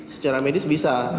secara medis bisa